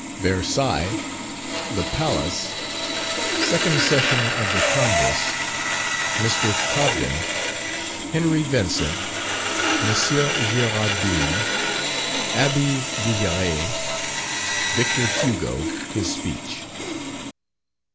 _Versailles The Palace Second Session of the Congress Mr. Cobden Henry Vincent M. Girardin Abbe Duguerry Victor Hugo: his Speech.